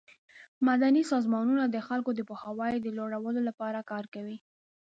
مدني سازمانونه د خلکو د پوهاوي د لوړولو لپاره کار کوي.